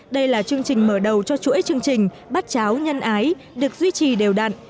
đây là chương trình mở đầu cho chuỗi chương trình bát cháo nhân ái được duy trì đều đặn